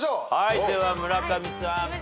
では村上さん。